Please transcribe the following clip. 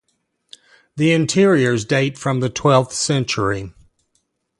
The interiors date from the twelfth century.